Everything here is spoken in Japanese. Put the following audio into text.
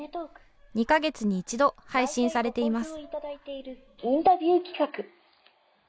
２か月に一度、配信されています。